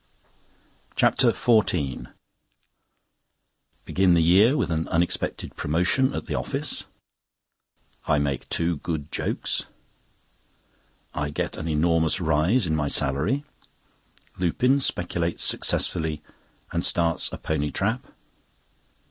CHAPTER XIV Begin the year with an unexpected promotion at the office. I make two good jokes. I get an enormous rise in my salary. Lupin speculates successfully and starts a pony trap.